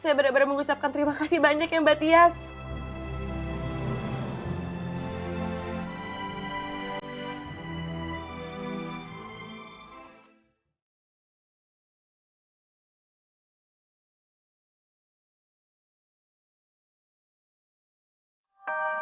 saya bener bener mengucapkan terima kasih banyak ya mbak yesha